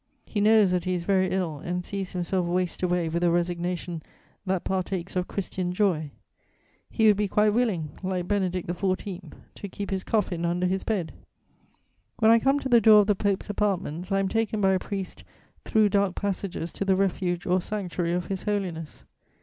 _ He knows that he is very ill and sees himself waste away with a resignation that partakes of Christian joy: he would be quite willing, like Benedict XIV., to keep his coffin under his bed. When I come to the door of the Pope's apartments, I am taken by a priest through dark passages to the refuge or sanctuary of His Holiness.